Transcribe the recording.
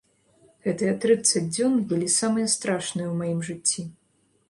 Гэтыя трыццаць дзён былі самыя страшныя ў маім жыцці.